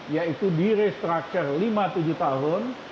yaitu di restructure lima tujuh tahun